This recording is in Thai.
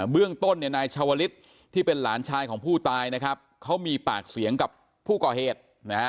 เรื่องต้นเนี่ยนายชาวลิศที่เป็นหลานชายของผู้ตายนะครับเขามีปากเสียงกับผู้ก่อเหตุนะฮะ